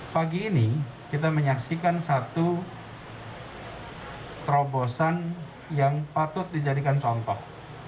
pagi ini kita menyaksikan satu terobosan yang patut dijadikan contoh